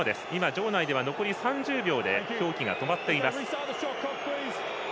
場内では残り３０秒で表記が止まっています。